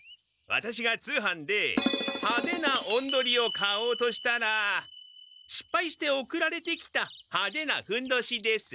ワタシが通販ではでなおんどりを買おうとしたらしっぱいして送られてきたはでなふんどしです。